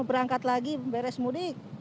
berangkat lagi beres mudik